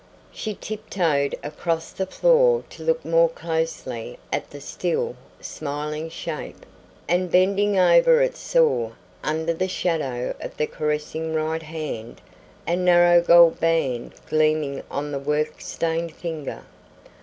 She tiptoed across the floor to look more closely at the still, smiling shape, and bending over it saw, under the shadow of the caressing right hand, a narrow gold band gleaming on the work stained finger.